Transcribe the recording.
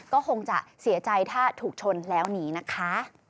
ก็คงจะเสียใจถ้าถูกชนแล้วหนีนะคะ